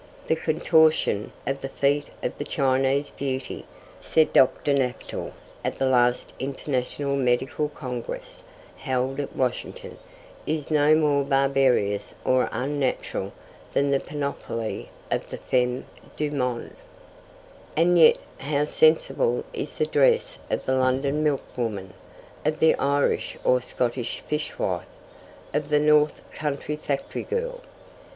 The contortion of the feet of the Chinese beauty, said Dr. Naftel at the last International Medical Congress, held at Washington, is no more barbarous or unnatural than the panoply of the femme du monde. And yet how sensible is the dress of the London milk woman, of the Irish or Scotch fishwife, of the North Country factory girl!